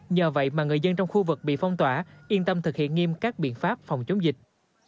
nhờ vậy mà người dân trong khu vực bị phong tỏa yên tâm thực hiện nghiêm các biện pháp phòng chống dịch